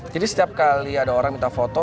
jadi setiap kali ada orang minta foto